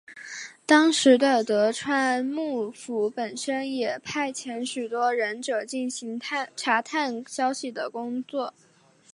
当时的德川幕府本身也派遣许多忍者进行查探消息的工作。